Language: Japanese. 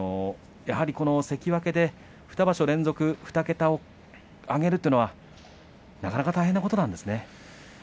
関脇で２場所連続２桁を挙げるというのはなかなか大変なことなんですね。